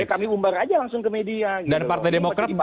ya kami umbar aja langsung ke media dan partai demokrat